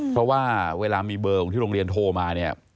เพราะว่าเวลามีเบอร์ของที่โรงเรียนโทรมาเนี่ย